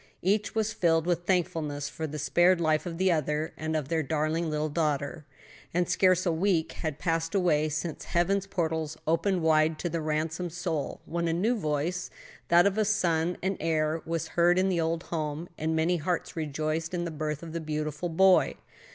Each was filled with thankfulness for the spared life of the other, and of their darling little daughter. And scarce a week had passed away since heaven's portals opened wide to the ransomed soul, when a new voice that of a son and heir was heard in the old home, and many hearts rejoiced in the birth of the beautiful boy.